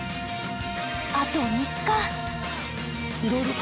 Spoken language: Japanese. あと３日。